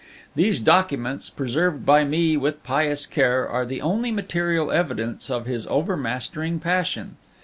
These documents, preserved by me with pious care, are the only material evidence of his overmastering passion.